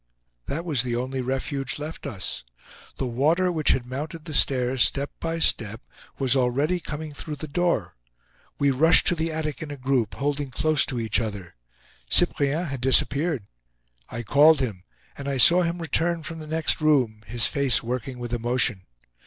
That was the only refuge left us. The water, which had mounted the stairs step by step, was already coming through the door. We rushed to the attic in a group, holding close to each other. Cyprien had disappeared. I called him, and I saw him return from the next room, his face working with emotion.